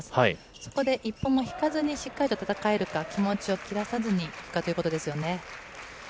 そこで一歩も引かずにしっかりと戦えるか、気持ちを切らさずにいくかというところですね。